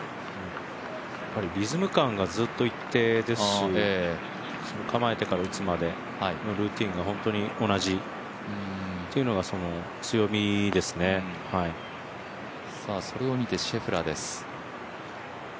リズム感がずっと一定ですし、構えてから打つまでのルーティンが同じというのがそれを見てシェフラーです。